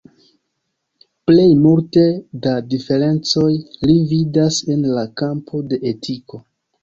Plej multe da diferencoj li vidas en la kampo de etiko.